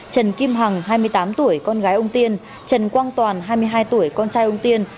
trần kim hằng hai mươi tám tuổi con gái ông tiên trần quang toàn hai mươi hai tuổi con trai ông tiên